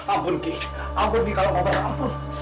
ampun ki ampun ki kalau kobar rampul